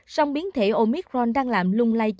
song biến thể omicron đang làm lung lay